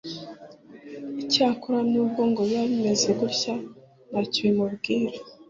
Icyakora nubwo ngo biba bimeze gutya ntacyo bimubwira